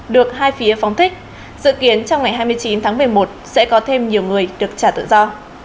được hai phía phóng thích dự kiến trong ngày hai mươi chín tháng một mươi một sẽ có thêm nhiều người được trả tự do